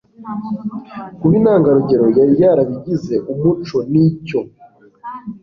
kuba intangarugero yari yarabigize umuco nicyo